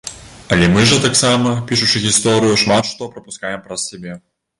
Але мы жа таксама, пішучы гісторыю, шмат што прапускаем праз сябе.